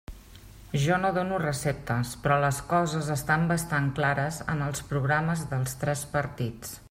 Jo no dono receptes, però les coses estan bastant clares en els programes dels tres partits.